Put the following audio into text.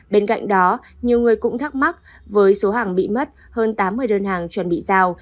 bên cạnh đó nhiều người cũng thắc mắc với số hàng bị mất hơn tám mươi đơn hàng chuẩn bị giao